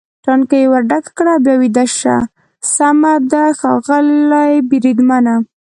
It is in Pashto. ټانکۍ یې ور ډکه کړه او بیا ویده شه، سمه ده ښاغلی بریدمنه.